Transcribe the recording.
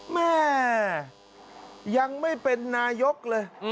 แม่ยังไม่เป็นนายกเลย